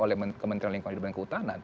oleh kementerian lingkungan hidup dan kehutanan